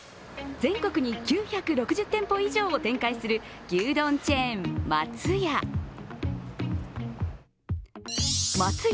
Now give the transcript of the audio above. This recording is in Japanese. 全国に９６０店舗以上を展開する牛丼チェーン、松屋。